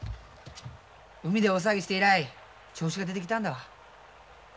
海で大騒ぎして以来調子が出てきたんだわ。